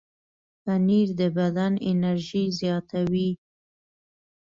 پنېر د بدن انرژي زیاتوي.